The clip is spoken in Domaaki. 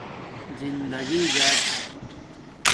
زندگݵ گھاٹ